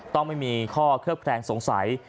ต้องไม่มีข้อเคลียร์แพรงสงสัย